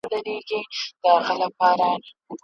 لولۍ نجوني پکښي ګرځي چي راځې بند به دي کړینه.